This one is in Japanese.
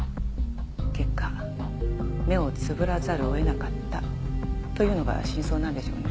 結果目をつぶらざるを得なかったというのが真相なんでしょうね。